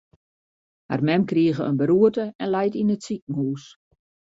Har mem krige in beroerte en leit yn it sikehús.